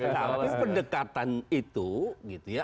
tapi pendekatan itu gitu ya